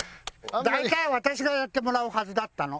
大体私がやってもらうはずだったの。